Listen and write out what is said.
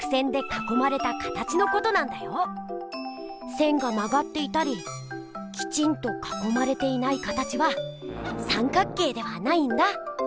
線がまがっていたりきちんとかこまれていない形は三角形ではないんだ！